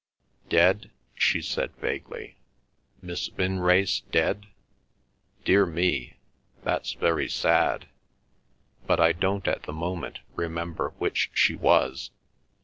"Dead?" she said vaguely. "Miss Vinrace dead? Dear me ... that's very sad. But I don't at the moment remember which she was.